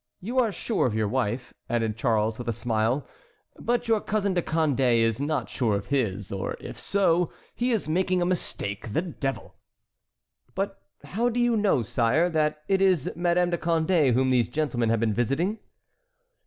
You are sure of your wife," added Charles with a smile; "but your cousin De Condé is not sure of his, or if so, he is making a mistake, the devil!" "But how do you know, sire, that it is Madame de Condé whom these gentlemen have been visiting?"